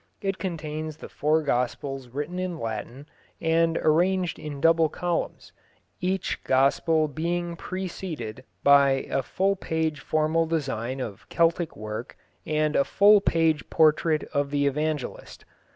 It contains the four Gospels written in Latin, and arranged in double columns, each Gospel being preceded by a full page formal design of Celtic work and a full page portrait of the Evangelist.